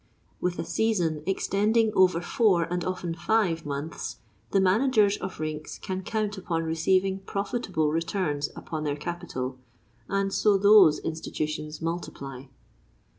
With a season extending over four and often five months, the managers of rinks can count upon receiving profitable returns upon their capital; and so those institutions multiply.